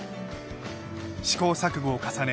試行錯誤を重ね